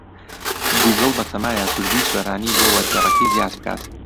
گووگڵ بەتەمایە کوردیی سۆرانی بۆ وەرگێڕەکەی زیاد بکات.